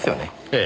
ええ。